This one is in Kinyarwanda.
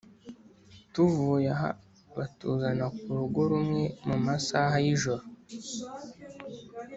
tuvuye aha batuzana kurugo rumwe mumasaha y’ijoro